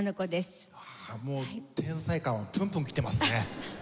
もう天才感プンプンきてますね。